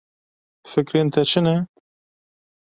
Fikrên te çi ne?